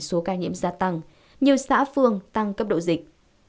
số ca nhiễm gia tăng nhiều xã phương tăng cấp độ dịch